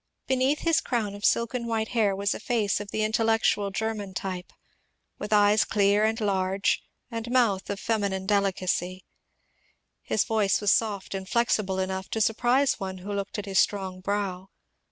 Be neath his crown of silken white hair was a face of the intel lectual German type, with eyes clear and large, and mouth of feminine delicacy. His voice was soft and flexible enough to surprise one who looked at his strong brow.